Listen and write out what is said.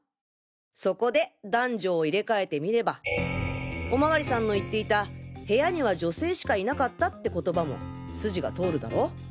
そこで男女を入れ替えてみればお巡りさんの言っていた「部屋には女性しかいなかった」って言葉も筋が通るだろ？